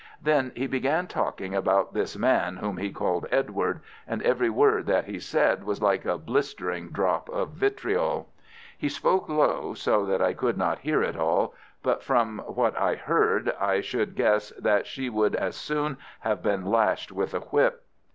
Then he began talking about this man whom he called Edward, and every word that he said was like a blistering drop of vitriol. He spoke low, so that I could not hear it all, but from what I heard I should guess that she would as soon have been lashed with a whip.